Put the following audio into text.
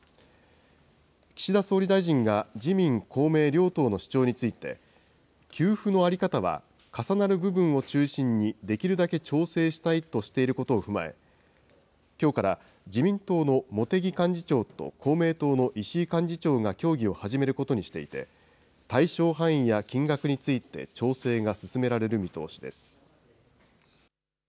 岸田総理大臣が自民、公明両党の主張について、給付の在り方は重なる部分を中心にできるだけ調整したいとしていることを踏まえ、きょうから自民党の茂木幹事長と公明党の石井幹事長が協議を始めることにしていて、対象範囲や金額について調整が進められる見通しです。